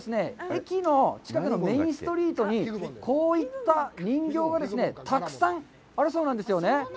駅の近くのメインストリートにこういった人形がたくさんあるそうなんですよね。